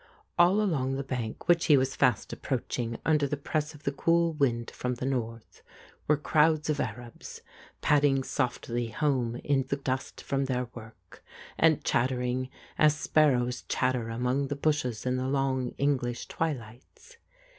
All along the bank which he was fast approaching under the press of the cool wind from the north were crowds of Arabs, padding softly home in the dust from their work, and chattering as sparrows chatter among the bushes in the long English twilights.